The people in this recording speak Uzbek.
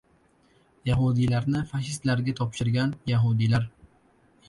Yahudiylarni fashistlarga topshirgan... yahudiylar